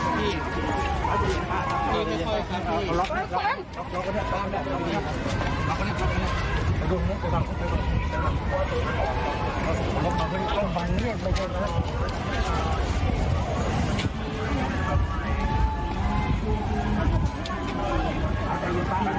เฮ้ยเฮ้ย